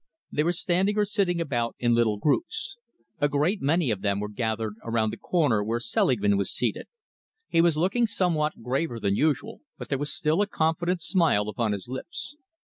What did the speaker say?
They were standing or sitting about in little groups. A great many of them were gathered around the corner where Selingman was seated. He was looking somewhat graver than usual, but there was still a confident smile upon his lips.